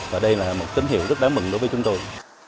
và đây là một tín hiệu rất đáng mừng đối với chúng tôi